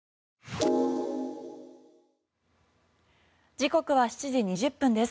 時刻は７時２０分です。